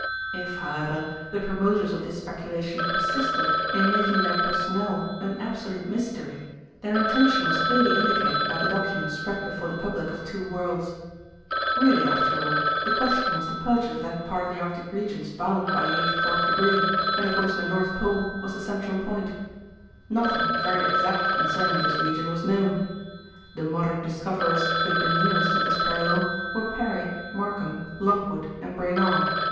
If, however, the promoters of this speculation persisted in making their personnel an absolute mystery, their intention was clearly indicated by the document spread before the public of two worlds. Really, after all, the question was the purchase of that part of the arctic regions bounded by the 84th degree, and of which the North Pole was the central point. Nothing very exact concerning this region was known. The modern discoverers who had been nearest to this parallel were Parry, Markham, Lockwood and Brainard.